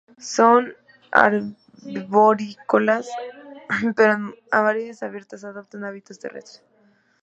Son arborícolas, pero en áreas abierta adoptan hábitos terrestres.